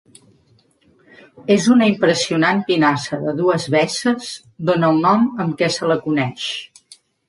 És una impressionant pinassa de dues besses, d'on el nom amb què se la coneix.